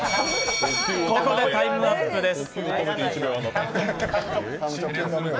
ここでタイムアップです。